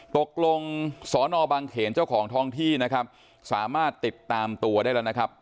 ตกลงสอนอบังเขนเจ้าของท้องที่นะครับสามารถติดตามตัวได้แล้วนะครับ